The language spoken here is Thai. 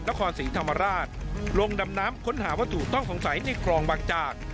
นครศรีธรรมราชลงดำน้ำค้นหาวัตถุต้องสงสัยในคลองบางจาก